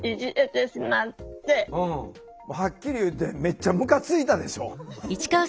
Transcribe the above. はっきり言ってめっちゃムカついたでしょ？